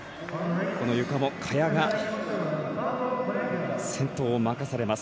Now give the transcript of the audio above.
ゆかも、萱が先頭を任されます。